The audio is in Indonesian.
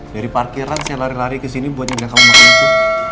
dari parkiran saya lari lari kesini buat ingin kamu makan itu